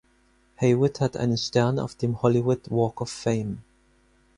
Heywood hat einen Stern auf dem „Hollywood Walk of Fame“.